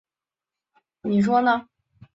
维耶伊莱。